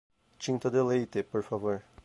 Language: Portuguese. Tinta de leite, por favor.